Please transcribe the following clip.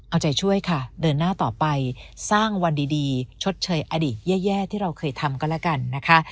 เอาใจช่วยค่ะเดินหน้าต่อไปสร้างวันดีชดเชยอดีตแย่ที่เราเคยทำก็แล้วกันนะคะ